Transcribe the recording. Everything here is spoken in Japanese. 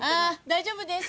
大丈夫です。